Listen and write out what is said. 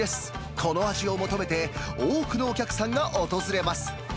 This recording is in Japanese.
この味を求めて、多くのお客さんが訪れます。